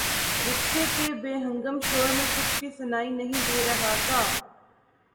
رکشے کے بے ہنگم شور میں کچھ بھی سنائی نہیں دے رہا تھا۔